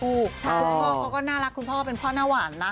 คุณพ่อเขาก็น่ารักคุณพ่อเป็นพ่อหน้าหวานนะ